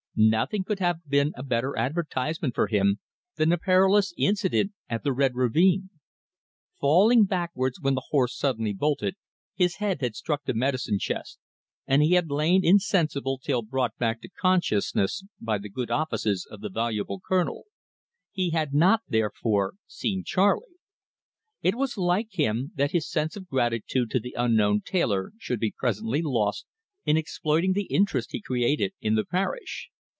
Nothing could have been a better advertisement for him than the perilous incident at the Red Ravine. Falling backwards when the horse suddenly bolted, his head had struck the medicine chest, and he had lain insensible till brought back to consciousness by the good offices of the voluble Colonel. He had not, therefore, seen Charley. It was like him that his sense of gratitude to the unknown tailor should be presently lost in exploiting the interest he created in the parish.